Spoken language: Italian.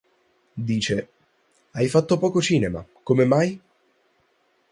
Dice: “Hai fatto poco cinema, come mai?”.